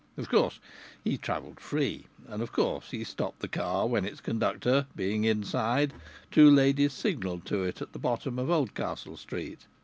Of course, he travelled free; and of course he stopped the car when, its conductor being inside, two ladies signalled to it at the bottom of Oldcastle Street.